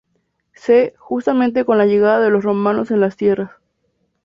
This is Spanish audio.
C, justamente con la llegada de los romanos en las tierras.